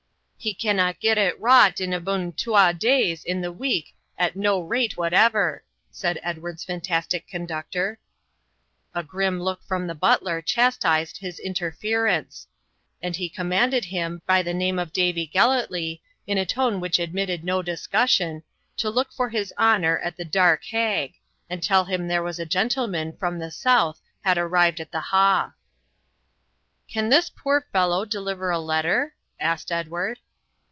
'He canna get it wrought in abune twa days in the week at no rate whatever,' said Edward's fantastic conductor. A grim look from the butler chastised his interference, and he commanded him, by the name of Davie Gellatley, in a tone which admitted no discussion, to look for his honour at the dark hag, and tell him there was a gentleman from the south had arrived at the Ha'. 'Can this poor fellow deliver a letter?' asked Edward.